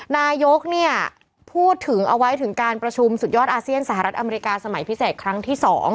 นายกพูดถึงเอาไว้ถึงการประชุมสุดยอดอาเซียนสหรัฐอเมริกาสมัยพิเศษครั้งที่๒